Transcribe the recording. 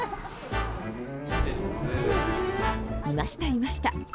いました、いました。